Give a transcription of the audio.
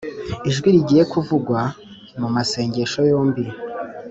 ijwi rigiye kuvugwa mumasengesho yombi